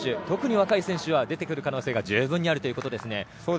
特に若い選手は出てくる可能性が十分にあるということですね。